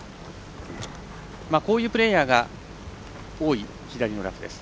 こういうプレーヤーが多い左のラフです。